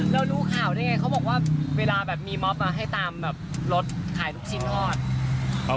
แล้วรู้ข่าวได้ไงเขาบอกว่าเวลามีมอฟมาให้ตามรถขายทุกชิ้นทอด